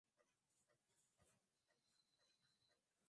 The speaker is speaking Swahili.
Katika vipindi hivyo Wakristo chini ya Waislamu waliweza kuangaliwa